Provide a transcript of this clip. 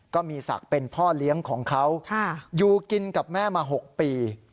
ก็มีศักดิ์เป็นพ่อเลี้ยงของเขาอยู่กินกับแม่มา๖ปี